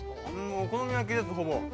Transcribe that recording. ◆お好み焼きです、ほぼ。